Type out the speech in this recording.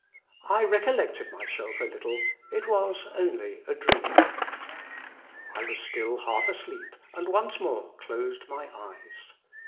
I recollected myself a little: it was only a dream. Leo X. "I was still half asleep, and once more closed my eyes.